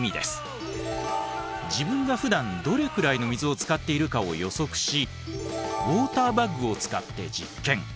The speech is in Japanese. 自分がふだんどれくらいの水を使っているかを予測しウォーターバッグを使って実験。